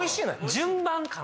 順番かな